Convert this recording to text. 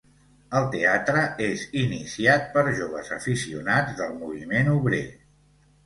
El teatre és iniciat per joves aficionats del moviment obrer.